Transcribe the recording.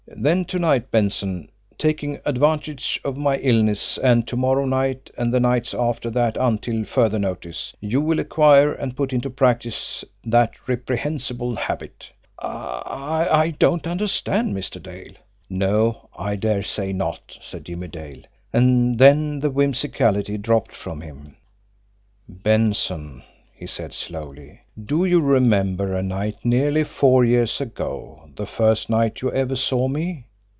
"Then to night, Benson, taking advantage of my illness, and to morrow night, and the nights after that until further notice, you will acquire and put into practice that reprehensible habit." "I I don't understand, Mr. Dale." "No; I dare say not," said Jimmie Dale and then the whimsicality dropped from him. "Benson," he said slowly, "do you remember a night, nearly four years ago, the first night you ever saw me?